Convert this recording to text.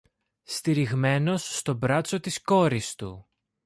στηριγμένος στο μπράτσο της κόρης του